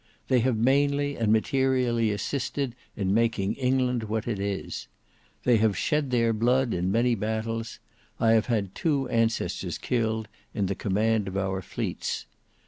They have mainly and materially assisted in making England what it is. They have shed their blood in many battles; I have had two ancestors killed in the command of our fleets.